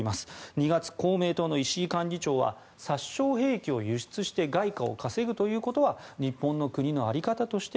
２月、公明党の石井幹事長は殺傷兵器を輸出して外貨を稼ぐということは日本の国の在り方として